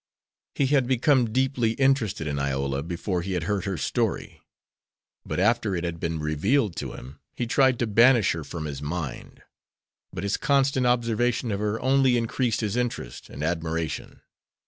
He had become deeply interested in Iola before he had heard her story, but after it had been revealed to him he tried to banish her from his mind; but his constant observation of her only increased his interest and admiration.